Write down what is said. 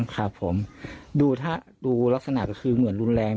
ครับผมดูถ้าดูลักษณะก็คือเหมือนรุนแรง